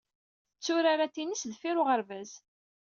Tetturar atinis deffir uɣerbaz.